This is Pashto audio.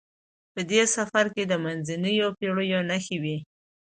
په دې سفر کې د منځنیو پیړیو نښې وې.